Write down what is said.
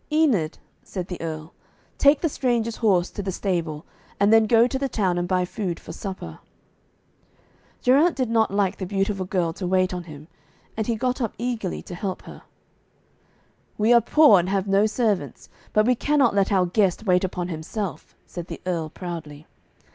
'Enid,' said the Earl, 'take the stranger's horse to the stable, and then go to the town and buy food for supper.' Geraint did not like the beautiful girl to wait on him, and he got up eagerly to help her. 'We are poor, and have no servants, but we cannot let our guest wait upon himself,' said the Earl proudly.